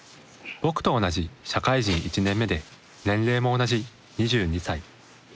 僕と同じ社会人１年目で年齢も同じ２２歳。